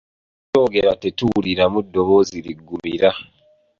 Mu kukyogera tetuwuliramu ddoboozi liggumira.